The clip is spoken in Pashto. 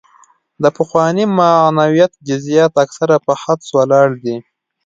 د پخواني معنویت جزیات اکثره په حدس ولاړ دي.